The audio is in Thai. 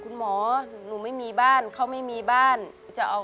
คุณหมอบอกว่าเอาไปพักฟื้นที่บ้านได้แล้ว